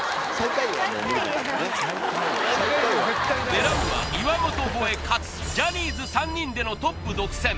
狙うは岩本超えかつジャニーズ３人でのトップ独占